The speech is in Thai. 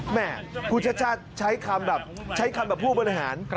แหม่คุณชัดใช้คำแบบผู้บริหาร